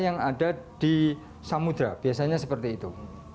yang ada di samudera biasanya seperti itu